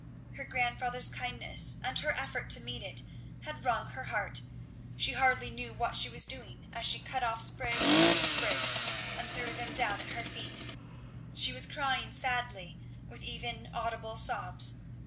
Her grandfather's kindness and her effort to meet it had wrung her heart; she hardly knew what she was doing, as she cut off sprig after sprig and threw them down at her feet; she was crying sadly, with even audible sobs.